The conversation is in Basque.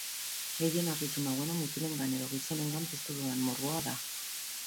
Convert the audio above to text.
Gehien harritu nauena mutilengan edo gizonengan piztu dudan morboa da.